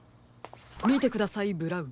みてくださいブラウン。